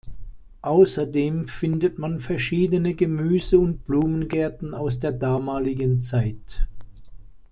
Außerdem findet man verschiedene Gemüse- und Blumengärten aus der damaligen Zeit.